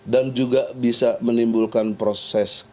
dan juga bisa menimbulkan proses